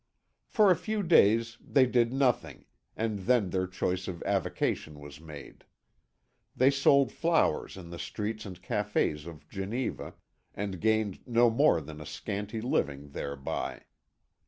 For a few days they did nothing, and then their choice of avocation was made. They sold flowers in the streets and cafés of Geneva, and gained no more than a scanty living thereby.